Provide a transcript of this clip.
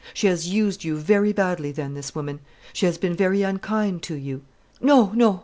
She has used you very badly, then, this woman? She has been very unkind to you?" "No, no!